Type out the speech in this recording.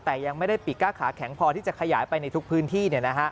แต่ยังไม่ได้ปีกก้าขาแข็งพอที่จะขยายไปในทุกพื้นที่